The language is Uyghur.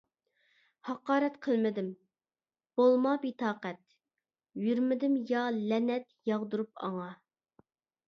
ھاقارەت قىلمىدىم، بولما بىتاقەت، يۈرمىدىم يا لەنەت ياغدۇرۇپ ئاڭا.